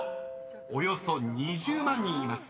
［およそ２０万人います］